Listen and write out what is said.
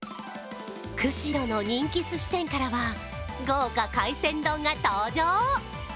釧路の人気すし店からは豪華海鮮丼が登場。